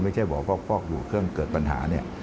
ไม่ใช่บอกว่าฟอกอยู่เครื่องเกิดปัญหาเนี่ย